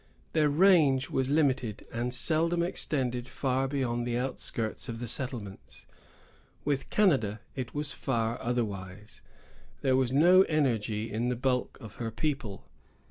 Their range was limited, and seldom extended far beyond the outskirts of the settlements. With Canada it was far otherwise. There was no energy in the bulk of her people.